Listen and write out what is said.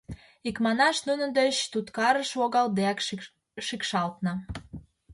Икманаш, нунын деч туткарыш логалдеак шикшалтна.